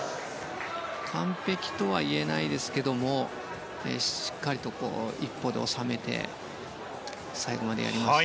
完璧とは言えないですけどもしっかりと１歩で収めて最後までやりました。